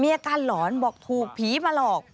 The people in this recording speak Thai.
อาการหลอนบอกถูกผีมาหลอก